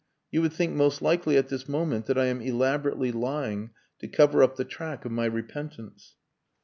You would think most likely at this moment that I am elaborately lying to cover up the track of my repentance."